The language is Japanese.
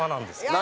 何？